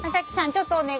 ちょっとお願い。